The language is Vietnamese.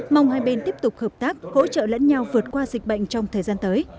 mong hai bên tiếp tục hợp tác hỗ trợ lẫn nhau vượt qua dịch bệnh trong thời gian tới